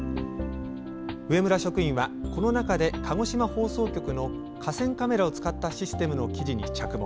上村職員は、この中で鹿児島放送局の河川カメラを使ったシステムの記事に着目。